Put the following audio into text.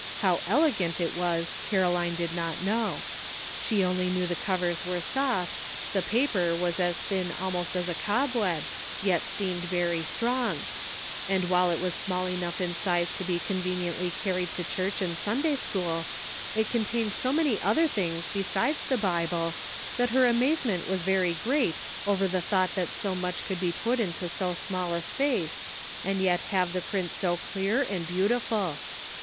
How elegant it was Caroline did not know. She only knew the covers were soft, the paper was as thin al most as a cobweb, yet seemed very strong ; and while it was small enough in size to be conven iently carried to church and Sunday school, it contained so many other things besides the Bible that her amazement was very great over the thought that so much could be put into so small a space, and yet have the print so clear and beautiful.